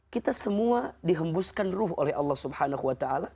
kita semua dihembuskan ruh oleh allah swt